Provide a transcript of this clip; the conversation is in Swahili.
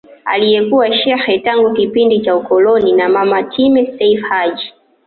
Aliyekuwa shekhe tangu kipindi cha ukoloni na mama Time Seif Haji